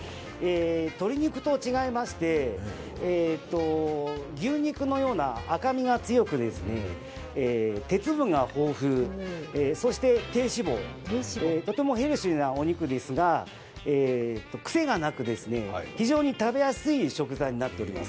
鶏肉と違いまして牛肉のような赤みが強く、鉄分が豊富、そして低脂肪、とてもヘルシーなお肉ですが癖がなく、非常に食べやすい食材になっております。